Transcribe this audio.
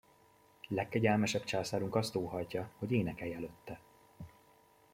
Legkegyelmesebb császárunk azt óhajtja, hogy énekelj előtte!